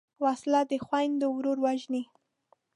وسله د خویندو ورور وژني